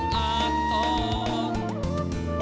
hidup bang jokowi